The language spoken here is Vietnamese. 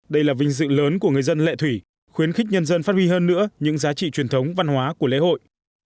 đây là vinh dự lớn của người dân lệ thủy khuyến khích nhân dân phát huy hơn nữa những giá trị truyền thống văn hóa của lễ hội